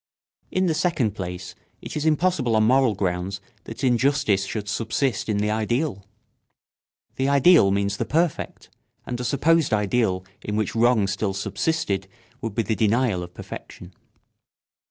In the second place, it is impossible on moral grounds that injustice should subsist in the ideal. The ideal means the perfect, and a supposed ideal in which wrong still subsisted would be the denial of perfection.